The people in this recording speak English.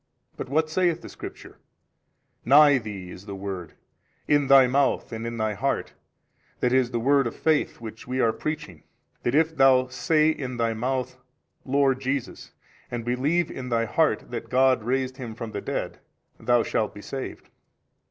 But what saith the Scripture 12? Nigh thee is the word, in thy mouth and in thy heart, that is the word of faith which we are preaching: that if thou say in thy mouth, Lord |258 Jesus, and believe in thy heart that God raised Him from the dead, thou shalt be saved.